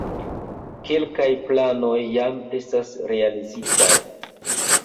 Kelkaj planoj jam estas realizitaj.